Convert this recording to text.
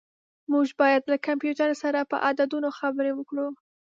موږ باید له کمپیوټر سره په عددونو خبرې وکړو.